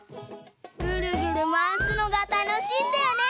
ぐるぐるまわすのがたのしいんだよね！